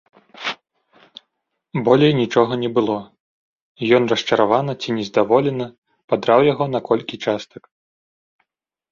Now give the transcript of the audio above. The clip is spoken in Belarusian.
Болей нічога не было, і ён расчаравана ці нездаволена падраў яго на колькі частак.